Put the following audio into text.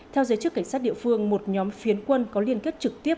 theo giới chức cảnh sát địa phương một nhóm phiến quân có liên kết trực tiếp